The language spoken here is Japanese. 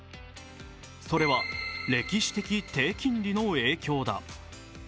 それは歴史的低金利の影響だ。